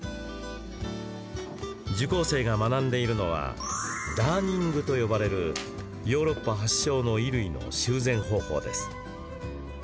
受講生が学んでいるのはダーニングと呼ばれるヨーロッパ発祥の衣類の修繕方法です。